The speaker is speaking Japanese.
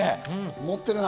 持ってるな。